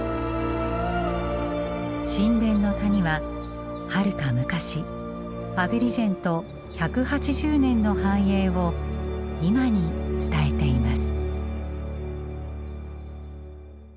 神殿の谷ははるか昔アグリジェント１８０年の繁栄を今に伝えています。